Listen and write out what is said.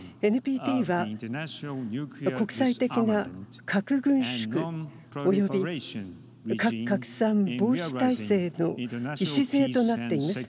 ＮＰＴは、国際的な核軍縮、及び核拡散防止体制の礎となっています。